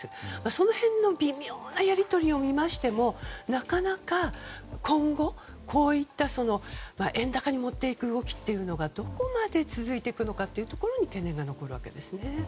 その辺の微妙なやり取りを見ましてもなかなか、今後こういった円高に持っていく動きというのがどこまで続いていくのかに懸念が残るわけですね。